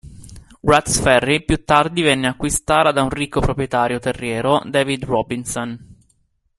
Rudd's Ferry più tardi venne acquistata da un ricco proprietario terriero, David Robinson.